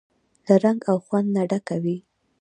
له رنګ او خوند نه ډکه وي.